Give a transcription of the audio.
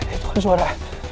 itu kan suara